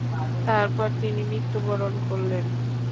তারপর তিনি মৃত্যুবরণ করলেন।